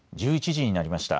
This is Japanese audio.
１１時になりました。